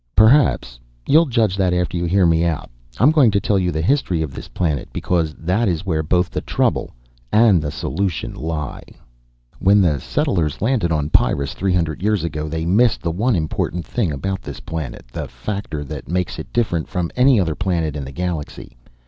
"Perhaps. You'll judge that after you hear me out. I'm going to tell you the history of this planet, because that is where both the trouble and the solution lie. "When the settlers landed on Pyrrus three hundred years ago they missed the one important thing about this planet, the factor that makes it different from any other planet in the galaxy.